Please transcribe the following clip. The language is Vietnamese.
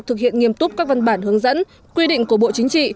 thực hiện nghiêm túc các văn bản hướng dẫn quy định của bộ chính trị